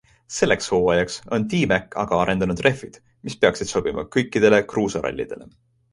Selleks hooajaks on DMACK aga arendanud rehvid, mis peaksid sobima kõikidele kruusarallidele.